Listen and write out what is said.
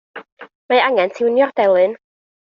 Mae angen tiwnio'r delyn.